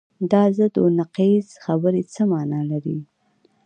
دا ضد و نقیض خبرې څه معنی لري؟